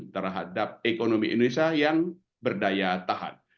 terhadap ekonomi indonesia yang berdaya tahan